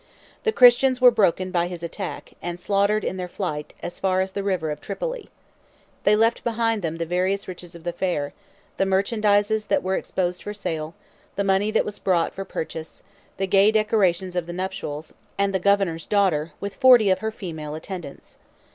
The Christians were broken by his attack, and slaughtered in their flight, as far as the river of Tripoli. They left behind them the various riches of the fair; the merchandises that were exposed for sale, the money that was brought for purchase, the gay decorations of the nuptials, and the governor's daughter, with forty of her female attendants.